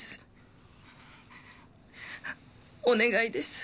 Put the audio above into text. お願いです。